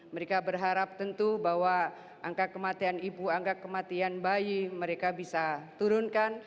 mereka berharap tentu bahwa angka kematian ibu angka kematian bayi mereka bisa turunkan